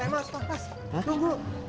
mas mas mas tunggu